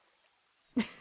フフ